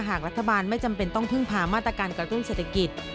หากรัฐบาลไม่จำเป็นต้องพึ่งพามาตรการกระตุ้นเศรษฐกิจ